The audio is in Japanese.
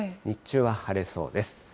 日中は晴れそうです。